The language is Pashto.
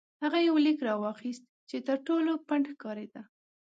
هغه یو لیک راواخیست چې تر ټولو پڼد ښکارېده.